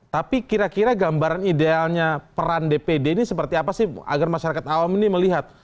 tapi kira kira gambaran idealnya peran dpd ini seperti apa sih agar masyarakat awam ini melihat